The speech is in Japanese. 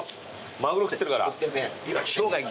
マグロ食ってるから？